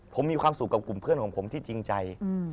ผมมีความสุขกับกลุ่มเพื่อนของผมที่จริงใจ